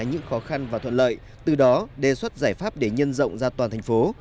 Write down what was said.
những khó khăn và thuận lợi từ đó đề xuất giải pháp để nhân rộng ra toàn thành phố